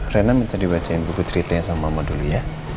rena minta dibacain buku ceritanya sama mama dulu ya